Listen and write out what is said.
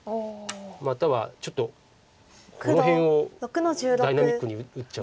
またはちょっとこの辺をダイナミックに打っちゃうとか。